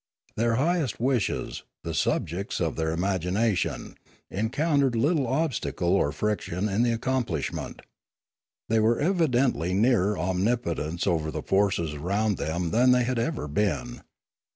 Their highest wishes, the subjects of their imagination, encountered little obstacle or friction in the accomplishment. They were evidently nearer omnipotence over the forces around them than they had ever been.